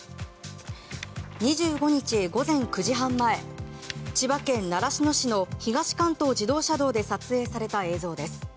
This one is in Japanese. ２５日午前９時半前千葉県習志野市の東関東自動車道で撮影された映像です。